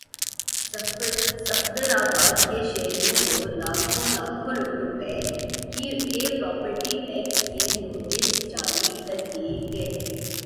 صفدرآباد کے شہریوں کو لاکھوں لاکھوں روپے کے پراپرٹی ٹیکس کے نوٹس جاری کردیئے گئے